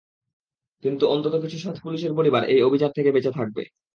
কিন্তু অন্তত কিছু সৎ পুলিশদের পরিবার এই অবিচার থেকে বেঁচে যাবে।